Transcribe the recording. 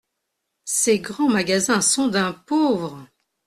Ces grands magasins sont d'un pauvre !